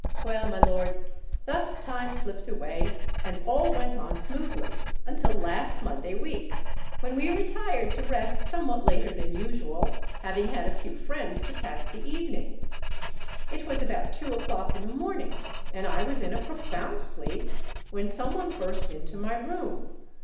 Well, my lord, thus time slipped away; and all went on smoothly until last Monday week, when we retired to rest somewhat later than usual, having had a few friends to pass the evening. It was about two o'clock in the morning, and I was in a profound sleep, when some one burst into my room.